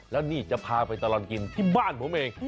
แล้วนี่จะพาไปตลอดกินที่บ้านผมเอง